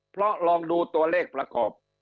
เพราะลองดูตัวเลขประกอบ